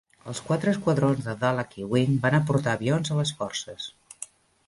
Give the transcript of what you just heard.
Els quatre esquadrons de Dallachy Wing van aportar avions a les forces.